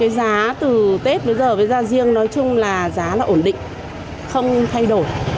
giá từ tết đến giờ với gia riêng nói chung là giá là ổn định không thay đổi